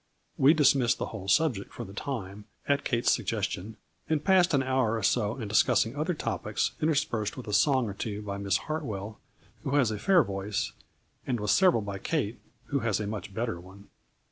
We dismissed the whole subject for the time, at Kate's suggestion, and passed an hour or so in discussing other topics, interspersed with a song or two by Miss Hartwell, who has a fair voice, and with several by Kate, who has a much better one.